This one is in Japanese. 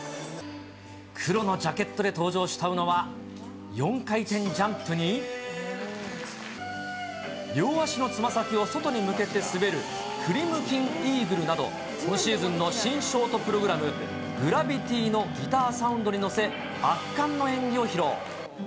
黒のジャケットで登場した宇野は、４回転ジャンプに、両足のつま先を外に向けて滑るクリムキンイーグルなど、今シーズンの新ショートプログラムのグラビティのギターサウンドに乗せて、圧巻の演技を披露。